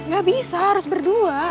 gak bisa harus berdua